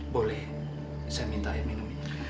boleh saya minta ya minum